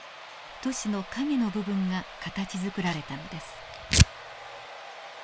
都市の陰の部分が形づくられたのです。